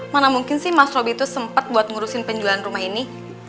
mana mungkin sih mas roby itu sempat buat ngurusin penjualan rumah ini